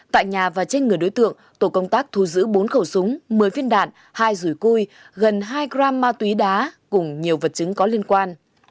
tại nhà và trên người đối tượng tổ công tác thu giữ bốn khẩu súng một mươi viên đạn hai rùi cui gần hai gram ma túy đá cùng nhiều vật chứng có liên quan